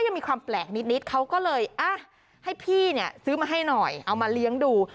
ยังมีความแปลกก็เลยหมายถึงคิดว่าให้ซื้อมาให้หน่อยเอามาเลี้ยงดู